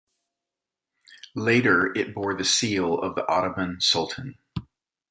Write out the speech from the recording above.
Later, it bore the seal of the Ottoman sultan.